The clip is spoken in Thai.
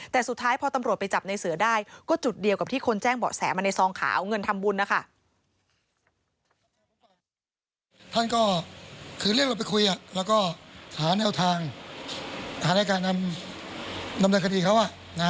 แต่สุดท้ายพอตำรวจไปจับในเสือได้ก็จุดเดียวกับที่คนแจ้งเบาะแสมาในซองขาวเงินทำบุญนะคะ